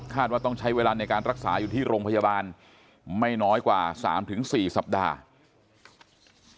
ว่าต้องใช้เวลาในการรักษาอยู่ที่โรงพยาบาลไม่น้อยกว่า๓๔สัปดาห์